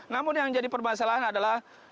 namun yang jadi permasalahan adalah